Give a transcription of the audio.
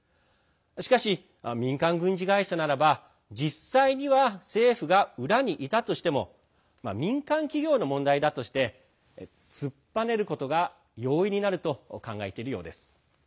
しかし、民間軍事会社ならば実際には政府が裏にいたとしても民間企業の問題だとして突っぱねることが容易になると考えているようです。